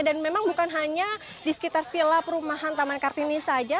dan memang bukan hanya di sekitar villa perumahan taman kartini saja